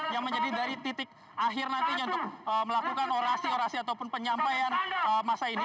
yang menjadi dari titik akhir nantinya untuk melakukan orasi orasi ataupun penyampaian masa ini